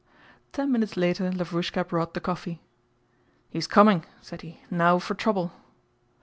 Ten minutes later Lavrúshka brought the coffee. "He's coming!" said he. "Now for trouble!"